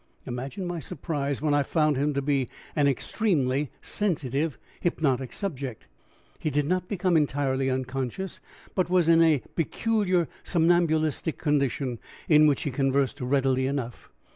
Imagine my surprise when I found him to be an extremely sensitive hypnotic subject. He did not become entirely unconscious, but was in a peculiar somnambulistic condition, in which he conversed readily enough.